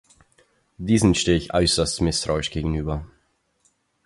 Diesen stehe ich äußerst misstrauisch gegenüber.